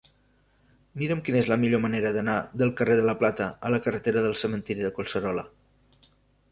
Mira'm quina és la millor manera d'anar del carrer de la Plata a la carretera del Cementiri de Collserola.